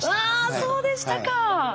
わあそうでしたか。